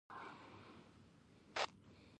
رسوب د افغانستان د امنیت په اړه هم اغېز لري.